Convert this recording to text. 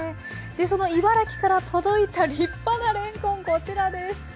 その茨城から届いた立派なれんこんこちらです。